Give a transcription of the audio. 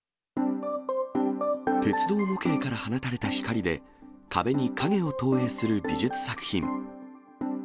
鉄道模型から放たれた光で、壁に影を投影する美術作品。